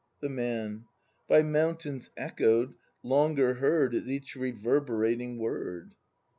The Man. By mountains echoed, longer heard Is each reverberating word.